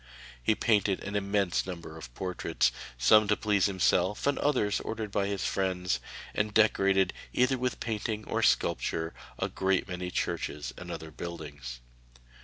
He painted an immense number of portraits, some to please himself and others ordered by his friends, and decorated, either with painting or sculpture, a great many churches and other buildings.